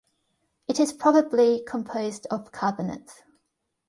It is probably composed of carbonates.